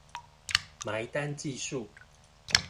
埋單計數